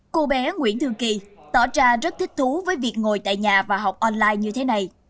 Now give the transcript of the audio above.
cô bé nguyễn thương kỳ tỏ ra rất thích thú với việc ngồi tại nhà và học online như thế này